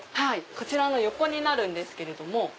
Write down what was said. こちらの横になるんですけども。